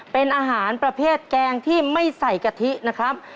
เป็นอาหารประเภทแกงที่ไม่ใส่กะทินะครับ